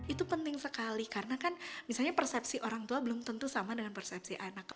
itu penting sekali karena kan misalnya persepsi orang tua belum tentu sama dengan persepsi anak